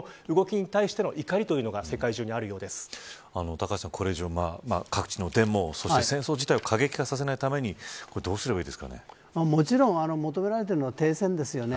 高橋さん、これ以上各地のデモそして、戦争自体を過激化させないためにもちろん求められているのは停戦ですよね。